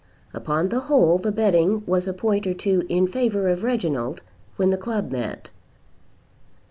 Upon the whole the betting was a point or two in favour of Reginald, when the club met.